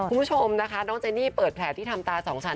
คุณผู้ชมนะคะน้องเจนี่เปิดแผลที่ทำตาสองชั้น